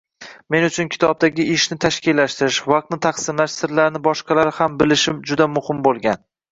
Men uchun kitobdagi ishni tashkillashtirish, vaqtni taqsimlash sirlarini boshqalar ham bilishi juda muhim boʻlgan.